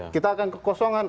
kita akan kekosongan